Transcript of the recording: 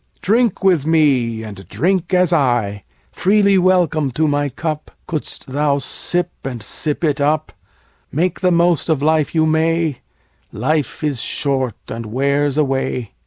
Drink with me and drink as I: Freely welcome to my cup, Couldst thou sip and sip it up: Make the most of life you may, 5 Life is short and wears away.